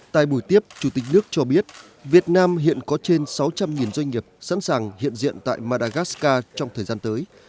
tại buổi tiếp chủ tịch nước cho biết việt nam hiện có trên sáu trăm linh doanh nghiệp sẵn sàng hiện diện tại madagascar trong thời gian tới